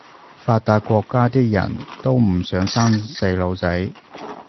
發達國家啲人都唔想生細路仔